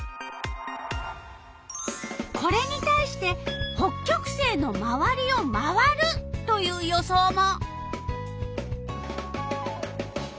これに対して北極星のまわりを回るという予想も。